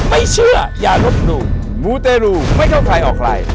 ไม่เชื่ออย่าลบหลู่มูเตรูไม่เข้าใครออกใคร